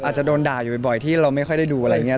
อาจจะโดนด่าอยู่บ่อยที่เราไม่ค่อยได้ดูอะไรอย่างนี้